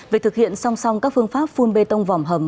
về thực hiện song song các phương pháp phun bê tông vòm hầm